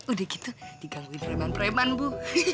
udah gitu digaluin preman preman bu